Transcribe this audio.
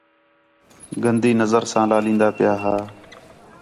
گندی نظر ساں لالین٘دا پِیا ہا